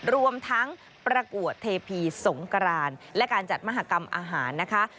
รวมทั้งประกวดเทพีสงกรานและการจัดมหากรรมอาหารนะคะ